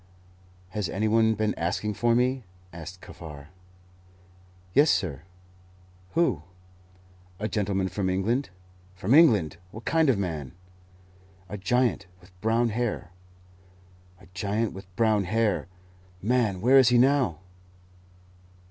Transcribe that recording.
"Has any one been asking for me?" asked Kaffar. "Yes, sir." "Who?" "A gentleman from England." "From England! What kind of a man?" "A giant, with brown hair." "A giant, with brown hair! Man, where is he now?"